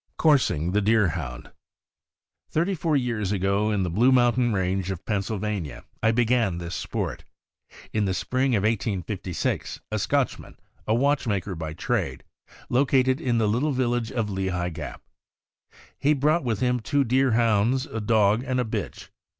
COURSING THE DEERHOUND. Thirty four years ago, in the Blue Mountain Range of Pennsylvania, I began this sport. In the spring of 1856, a Scotchman, a watch maker by trade, located in the little village of Lehigh Gap. He brought with him two Deer hounds, a dog and a bitch.